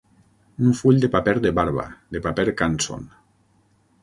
Un full de paper de barba, de paper Canson.